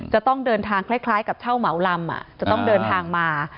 จะต้องเดินทางคล้ายกับเช่าเหมาลำจะต้องเดินทางมา